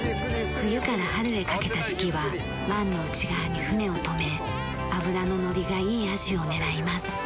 冬から春へかけた時期は湾の内側に舟をとめ脂ののりがいいアジを狙います。